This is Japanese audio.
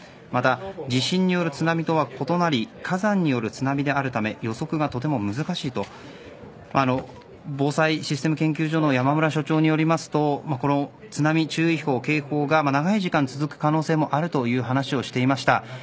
また地震による津波とは異なり火山による津波であるため予測がとても難しいと防災システム研究所の山村所長によりますと津波注意報、警報が長い時間続く可能性もあるという話をしていました。